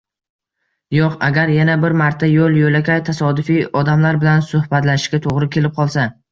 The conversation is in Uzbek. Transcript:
Yoʻq, agar yana bir marta yoʻl-yoʻlakay tasodifiy odamlar bilan suhbatlashishga toʻgʻri kelib qolsa.